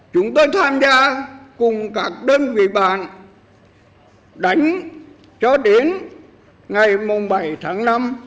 chúng tôi tham gia cùng các đơn vị bạn đánh cho đến ngày bảy tháng năm